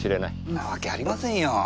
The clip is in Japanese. んなわけありませんよ。